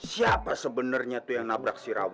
siapa sebenernya tuh yang nabrak si rawu